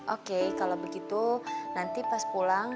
oke kalau begitu nanti pas pulang